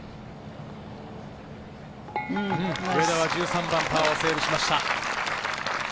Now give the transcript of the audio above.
上田は１３番、パーセーブしました。